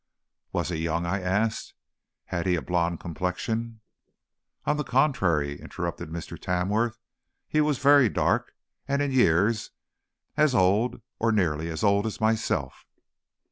"Was he young?" I asked. "Had he a blond complexion?" "On the contrary," interrupted Mr. Tamworth, "he was very dark, and, in years, as old or nearly as old as myself."